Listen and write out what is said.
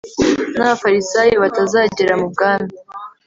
n'abafarisayo batazagera mu bwami